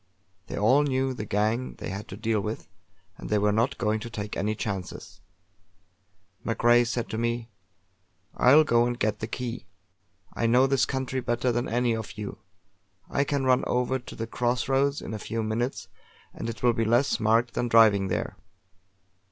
They all knew the gang they had to deal with, and they were not going to take any chances. MacRae said to me: "I'll go and get the key! I know this country better than any of you; I can run over to the cross roads in a few minutes and it will be less marked than driving there."